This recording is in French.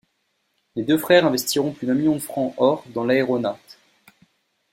Les deux frères investiront plus d’un million de francs-or dans l’aéronat.